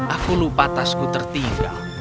aku lupa tasku tertinggal